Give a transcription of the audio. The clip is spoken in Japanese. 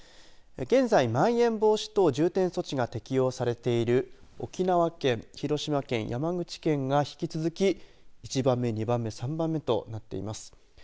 現在、まん延防止等重点措置が適用されている沖縄県、広島県、山口県が引き続き、１番目、２番目３番目となっています。